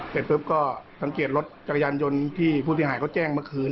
เสร็จปุ๊บก็สังเกตรถจักรยานยนต์ที่ผู้เสียหายเขาแจ้งเมื่อคืน